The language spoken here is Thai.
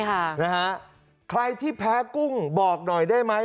ค่ะนะฮะใครที่แพ้กุ้งบอกหน่อยได้ไหม